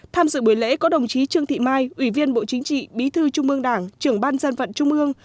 tham dự buổi lễ có đồng chí trương thị mai ủy viên bộ chính trị bí thư trung ương đảng